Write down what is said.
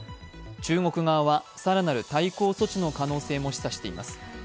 中国側は、更なる対抗措置の可能性も示唆しています。